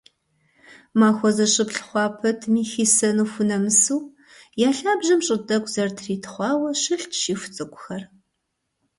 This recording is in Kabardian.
Махуэ зыщыплӏ хъуа пэтми, хисэну хунэмысу, я лъабжьэм щӏы тӏэкӏу зэрытритхъуауэ, щылът щиху цӏыкӏухэр.